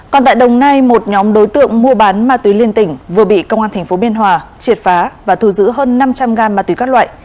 còn tại đồng nai một nhóm đối tượng mua bán ma túy liên tỉnh vừa bị công an tp biên hòa triệt phá và thu giữ hơn năm trăm linh gam ma túy các loại